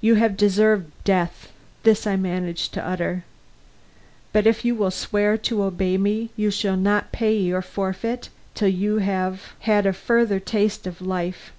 "You have deserved death." This I managed to utter. "But if you will swear to obey me, you shall not pay your forfeit till you have had a further taste of life.